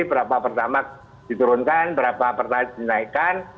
berapa pertalit diturunkan berapa pertalit dinaikkan